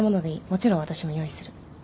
もちろん私も用意する。